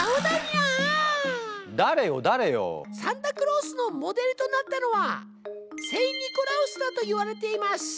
サンタクロースのモデルとなったのは聖・ニコラウスだといわれています。